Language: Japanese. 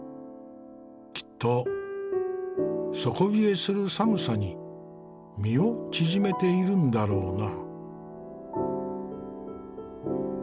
きっと底冷えする寒さに身を縮めているんだろうな。